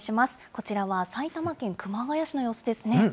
こちらは埼玉県熊谷市の様子ですね。